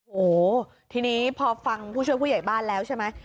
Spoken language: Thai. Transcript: โอ้โหทีนี้พอฟังผู้ช่วยผู้ใหญ่บ้านแล้วใช่ไหม